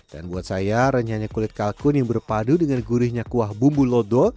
dan buat saya renyahnya kulit kalkun yang berpadu dengan gurihnya kuah bumbu lodo